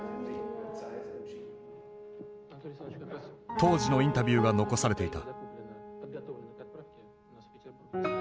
当時のインタビューが残されていた。